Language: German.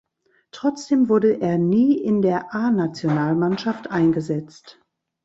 Trotzdem wurde er nie in der A- Nationalmannschaft eingesetzt.